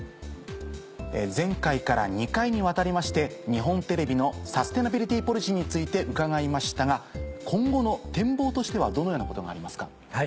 前回から２回にわたりまして日本テレビのサステナビリティポリシーについて伺いましたが今後の展望としてはどのようなことがありますか？